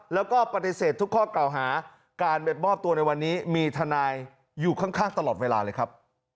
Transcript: แล้วก็ปฏิเสธทุกข้อเก่าหาการไปมอบตัวในวันนี้มีทนายอยู่ข้างตลอดเวลาเลยครับ